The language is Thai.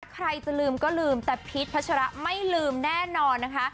ใครจะลืมก็ลืมแต่พีชพัชระไม่ลืมแน่นอนนะคะ